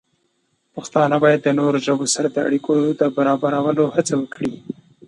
پښتانه باید د نورو ژبو سره د اړیکو د برابرولو هڅه وکړي.